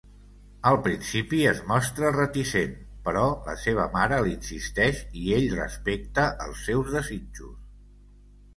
Al principi es mostra reticent, però la seva mare l'insisteix i ell respecta els seus desitjos.